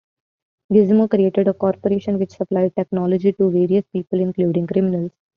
Gizmo created a corporation which supplied technology to various people, including criminals.